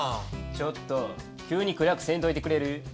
ちょっと急に暗くせんといてくれる。